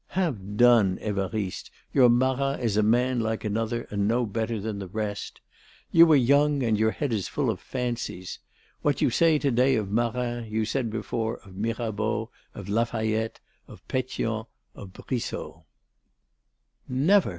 "Have done, Évariste; your Marat is a man like another and no better than the rest. You are young and your head is full of fancies. What you say to day of Marat, you said before of Mirabeau, of La Fayette, of Pétion, of Brissot." "Never!"